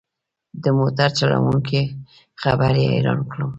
د موټر چلوونکي خبرې حيران کړم.